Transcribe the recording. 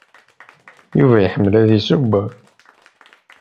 Yuba iḥemmel ad yesseww?